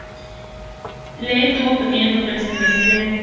Lee tuvo pequeños papeles en "Meet Mr.